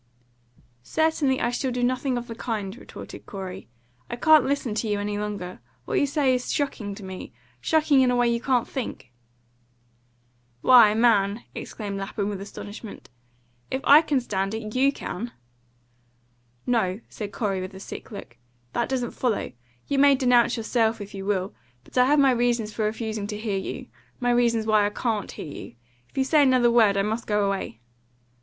"Certainly I shall do nothing of the kind," retorted Corey. "I can't listen to you any longer. What you say is shocking to me shocking in a way you can't think." "Why, man!" exclaimed Lapham, with astonishment; "if I can stand it, YOU can!" "No," said Corey, with a sick look, "that doesn't follow. You may denounce yourself, if you will; but I have my reasons for refusing to hear you my reasons why I CAN'T hear you. If you say another word I must go away."